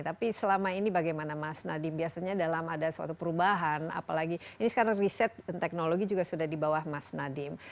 tapi selama ini bagaimana mas nadiem biasanya dalam ada suatu perubahan apalagi ini sekarang riset dan teknologi juga sudah di bawah mas nadiem